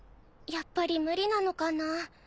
やっぱり無理なのかな。